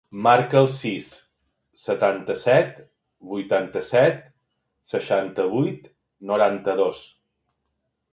Marca el sis, setanta-set, vuitanta-set, seixanta-vuit, noranta-dos.